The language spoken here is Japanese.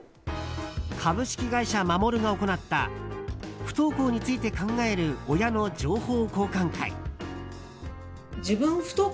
株式会社マモルが行った不登校について考える親の情報交換会。